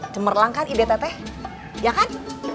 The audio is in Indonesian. cemerlang kan ide teh ya kan